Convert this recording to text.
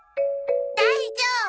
大丈夫！